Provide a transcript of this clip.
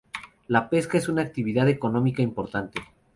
La pesca es una actividad económica importante.